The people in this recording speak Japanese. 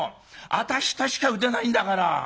私としか打てないんだから。